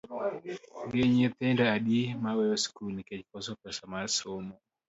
Gin nyithindo adi ma weyo skul nikech koso pesa mar somo?